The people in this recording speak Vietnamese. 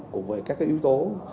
cũng với các yếu tố